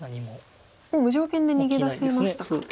もう無条件で逃げ出せましたか。